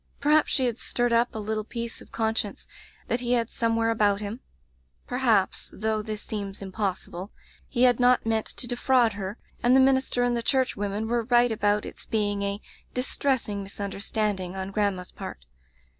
Perhaps she had stirred up a little piece of conscience that he had somewhere about him; perhaps — though this seems im possible — ^he had not meant to defraud her, and the minister and the church women were right about its being a ' distressing misunder standing' on grandma's part.